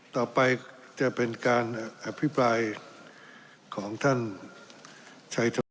ต่อไปจะเป็นการอภิปรายของท่านชัยธร